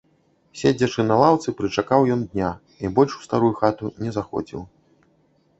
Седзячы на лаўцы, прычакаў ён дня і больш у старую хату не заходзіў.